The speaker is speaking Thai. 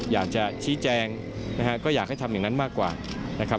อยากจะชี้แจงนะฮะก็อยากให้ทำอย่างนั้นมากกว่านะครับ